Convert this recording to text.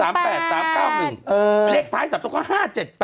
เลขท้าย๓ตัวก็๕๗๘